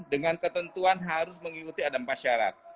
dengan ketentuan harus mengikuti adem pasyarat